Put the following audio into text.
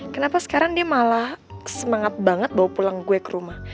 kenapa sekarang dia malah semangat banget bawa pulang gue ke rumah